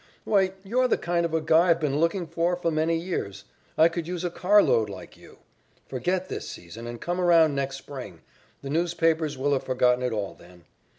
Why you're the kind of a guy I've been lookin' for many years. I could use a carload like you. Forget this season and come around next spring. The newspapers will have forgotten it all then.